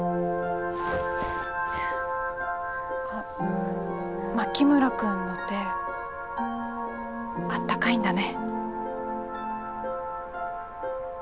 あっ牧村君の手あったかいんだね。